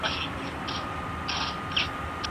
زه پرون واښه راوړم وم!